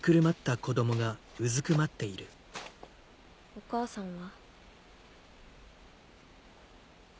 お母さんは？